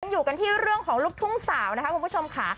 อยู่กันที่เรื่องของลูกทุ่งสาวนะคะคุณผู้ชมค่ะ